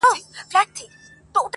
په غیرت مو لاندي کړي وه ملکونه!.